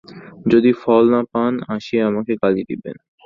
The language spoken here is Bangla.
যদি ফল না পান, আসিয়া আমাকে গালি দিবেন।